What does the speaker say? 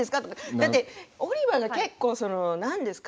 だってオリバーが結構なんですか。